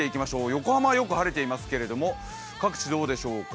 横浜はよく晴れていますけれども、各地どうでしょうか。